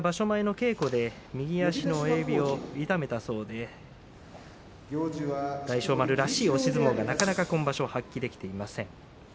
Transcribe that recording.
前の稽古で右足の親指を痛めたそうで大翔丸らしい押し相撲がなかなか今場所発揮できていません。